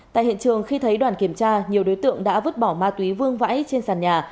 tại hiện trường khi thấy đoàn kiểm tra nhiều đối tượng đã vứt bỏ ma túy vương vãi trên sàn nhà